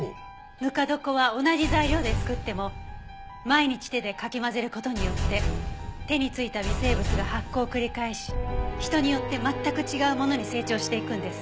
ぬか床は同じ材料で作っても毎日手でかき混ぜる事によって手についた微生物が発酵を繰り返し人によって全く違うものに成長していくんです。